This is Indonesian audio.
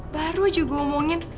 baru aja gua omongin